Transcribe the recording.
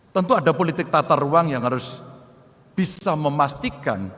tentu ada politik tata ruang yang harus bisa memastikan